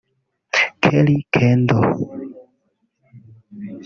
Kerri Kendal